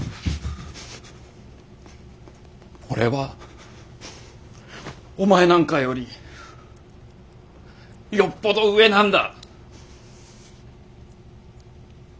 俺はお前なんかよりよっぽど上なんだ。